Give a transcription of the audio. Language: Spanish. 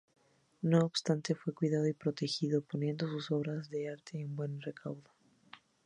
No obstante fue cuidado y protegido, poniendo sus obras de arte a buen recaudo.